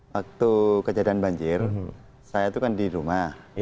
waktu kejadian banjir saya itu kan di rumah